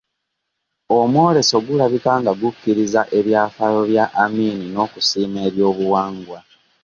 Omwoleso gulabika nga gukkiriza ebyafaayo bya Amin n'okusiima ebyobuwangwa.